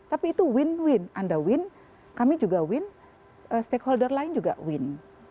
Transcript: tapi itu win win anda win kami juga win stakeholder lain juga win